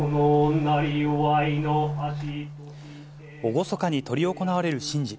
厳かに執り行われる神事。